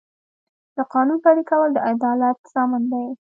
د قانون پلي کول د عدالت ضامن دی.